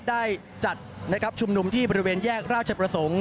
ได้จัดชุมนุมที่บริเวณแยกราชประสงค์